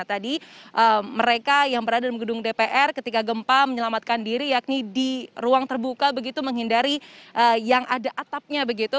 tadi mereka yang berada di gedung dpr ketika gempa menyelamatkan diri yakni di ruang terbuka begitu menghindari yang ada atapnya begitu